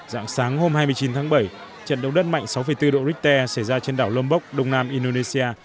dạng sáng hôm hai mươi chín tháng bảy trận động đất mạnh sáu bốn độ richter xảy ra trên đảo lombok đông nam indonesia